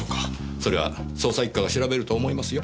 それは捜査一課が調べると思いますよ。